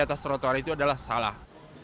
trotoar itu adalah salah